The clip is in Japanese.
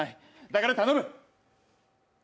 だから頼む！